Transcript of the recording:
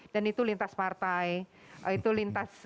dan itu lintas partai itu lintas agama itu lintas kemampuan